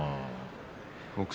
北勝